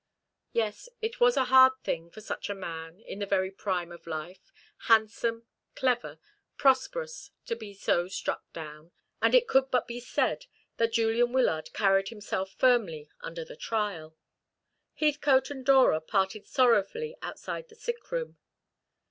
Yes, it was a hard thing for such a man, in the very prime of life, handsome, clever, prosperous, to be so struck down: and it could but be said that Julian Wyllard carried himself firmly under the trial. Heathcote and Dora parted sorrowfully outside the sick room.